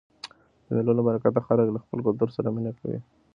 د مېلو له برکته خلک له خپل کلتور سره مینه کوي.